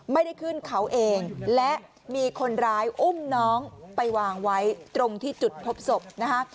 ไม่ได้ขึ้นเขาเองและมีคนร้ายอุ้มน้องไปวางไว้ตรงที่จุดพบศพนะคะ